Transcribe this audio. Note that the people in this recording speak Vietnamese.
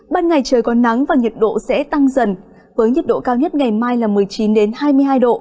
ban ngày trời có nắng và nhiệt độ sẽ tăng dần với nhiệt độ cao nhất ngày mai là một mươi chín hai mươi hai độ